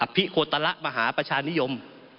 พิโคตระมหาประชานิยม